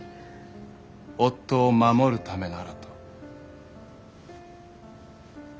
夫を守るためならと。